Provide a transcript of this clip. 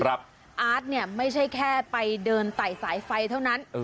อาร์ตเนี่ยไม่ใช่แค่ไปเดินไต่สายไฟเท่านั้น